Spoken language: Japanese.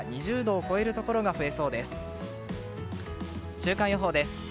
週間予報です。